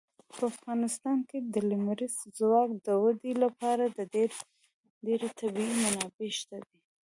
په افغانستان کې د لمریز ځواک د ودې لپاره ډېرې طبیعي منابع شته دي.